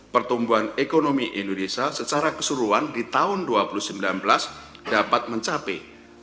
pertumbuhan ekonomi indonesia secara keseluruhan di tahun dua ribu sembilan belas dapat mencapai